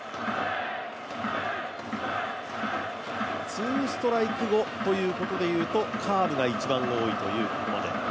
ツーストライクごということでいうとカーブが一番多いというここまで。